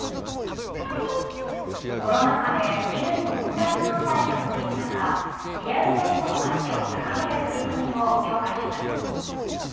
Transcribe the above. コロナ禍で衣類のオンライン販売が伸びる中リアル店舗の価値を高める取り組みを強化します。